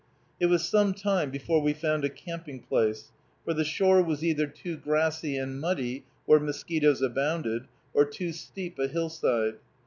It was some time before we found a camping place, for the shore was either too grassy and muddy, where mosquitoes abounded, or too steep a hillside.